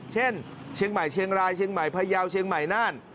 เช่นเชียงใหม่เชียงรายเชียงใหม่พยาวเชียงใหม่น่าน